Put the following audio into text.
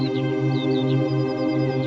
dan kalung itu mulai bekerja